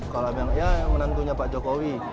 kalau bilang ya menantunya pak jokowi